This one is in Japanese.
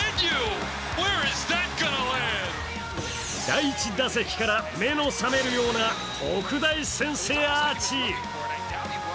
第１打席から目の覚めるような特大先制アーチ。